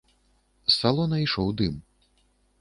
З салона ішоў дым.